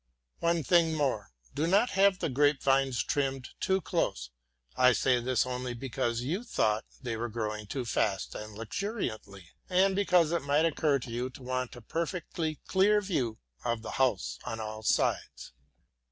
One thing more. Do not have the grapevines trimmed too close. I say this only because you thought they were growing too fast and luxuriantly, and because it might occur to you to want a perfectly clear view of the house on all sides.